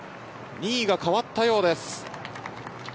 ２位が変わったようです。